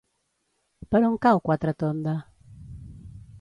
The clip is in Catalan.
Per on cau Quatretonda?